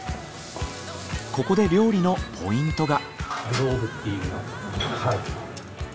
ここで料理のポイントが。